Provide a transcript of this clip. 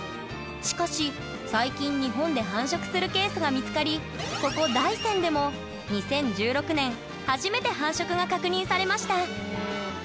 しかし最近日本で繁殖するケースが見つかりここ大山でも２０１６年初めて繁殖が確認されました。